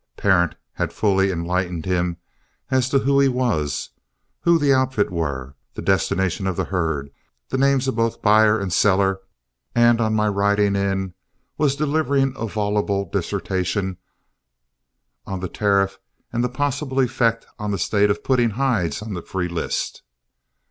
Parent had fully enlightened him as to who he was, who the outfit were, the destination of the herd, the names of both buyer and seller, and, on my riding in, was delivering a voluble dissertation on the tariff and the possible effect on the state of putting hides on the free list.